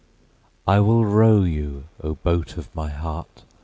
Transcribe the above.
I will row you, O boat of my heart!